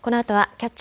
「キャッチ！